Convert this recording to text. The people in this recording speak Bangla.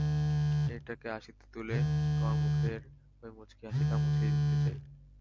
এটাকে আশিতে তুলে তোমার মুখের ওই মুচকি হাসিটা মুছে দিতে চাই।